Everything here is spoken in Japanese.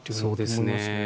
そうですね。